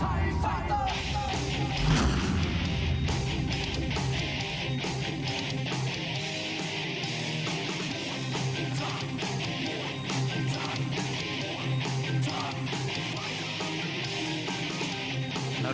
และอัพพพิวัตรสอสมนึก